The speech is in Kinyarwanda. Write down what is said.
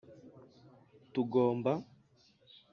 Tugomba